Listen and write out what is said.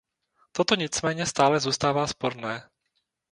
Toto nicméně stále zůstává sporné.